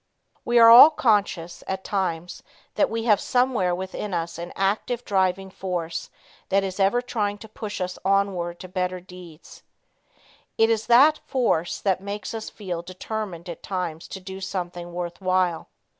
We are all conscious, at times, that we have somewhere within us an active driving force that is ever trying to push us onward to better deeds. It is that "force" that makes us feel determined at times to do something worth while.